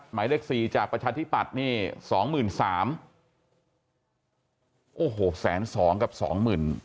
หมายเลขสี่จากประชาธิปัตย์นี่สองหมื่นสามโอ้โหแสนสองกับสองหมื่น